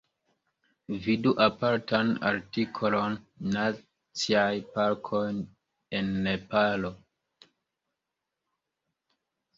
Vidu apartan artikolon "Naciaj parkoj en Nepalo".